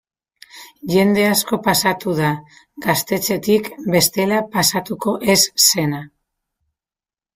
Jende asko pasatu da gaztetxetik bestela pasatuko ez zena.